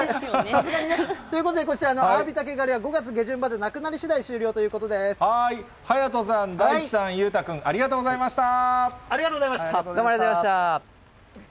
さすがにね。ということでこちらのアワビタケ狩りは、５月下旬までなくなりし勇人さん、大地さん、裕太君、ありがとうございました。